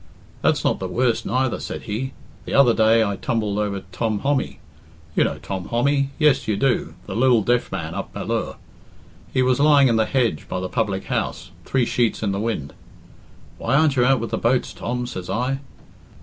"That's not the worst neither," said he. "The other day I tumbled over Tom Hommy you know Tom Hommy, yes, you do, the lil deaf man up Ballure. He was lying in the hedge by the public house, three sheets in the wind. 'Why aren't you out with the boats, Tom?' says I.